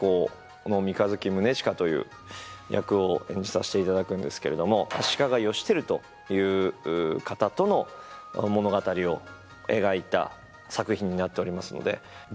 この三日月宗近という役を演じさせていただくんですけれども足利義輝という方との物語を描いた作品になっておりますのであとは